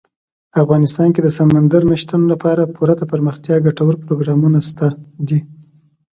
افغانستان کې د سمندر نه شتون لپاره پوره دپرمختیا ګټور پروګرامونه شته دي.